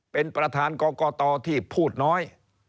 เป็นประธานกรกตที่พูดน้อย